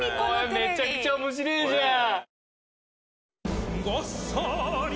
めちゃくちゃ面白ぇじゃん。